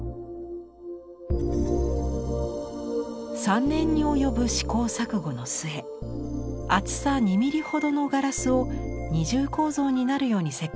３年に及ぶ試行錯誤の末厚さ２ミリほどのガラスを二重構造になるように設計しました。